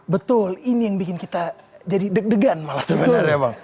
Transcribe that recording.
betul ini yang bikin kita jadi deg degan malah sebetulnya bang